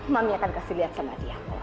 mami akan kasih lihat sama dia